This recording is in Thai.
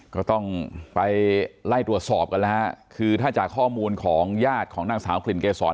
ก็ต้องไปไล่ตรวจสอบกันแล้วฮะคือถ้าจากข้อมูลของญาติของนางสาวกลิ่นเกษร